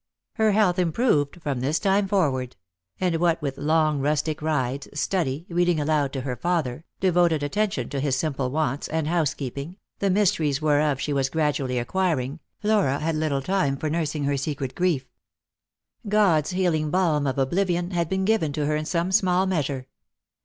Her health improved from this time forward; and what with long rustic rides, study, reading aloud to her father, devoted attention to his simple wants, and housekeeping, the mysteries whereof she was gradually acquiring, Flora had little time for nursing her secret life. God's healing balm of oblivion had been given to her in some small measure.